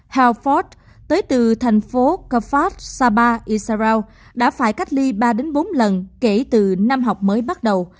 helgort tới từ thành phố kfar sabah israel đã phải cách ly ba bốn lần kể từ năm học mới bắt đầu